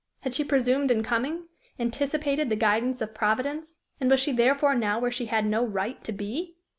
Had she presumed in coming anticipated the guidance of Providence, and was she therefore now where she had no right to be?